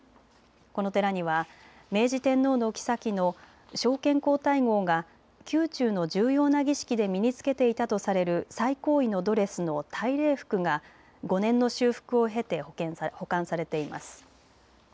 この寺には明治天皇のきさきの昭憲皇太后が宮中の重要な儀式で身に着けていたとされる最高位のドレスの大礼服が５年の修復を経て保管されています。